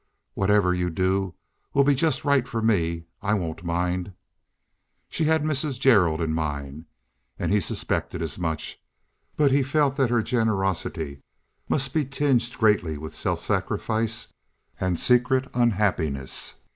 Whatever you do will be just right for me. I won't mind." She had Mrs. Gerald in mind, and he suspected as much, but he felt that her generosity must be tinged greatly with self sacrifice and secret unhappiness.